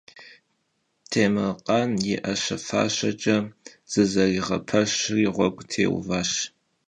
Têmırkhan yi 'eşe - faşeç'e zızeriğepeşri ğuegu têuvaş.